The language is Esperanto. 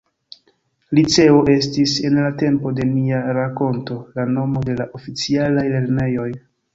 Liceo estis, en la tempo de nia rakonto, la nomo de la oficialaj lernejoj.